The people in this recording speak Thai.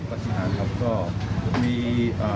ปฏิหารครับก็มีอ่า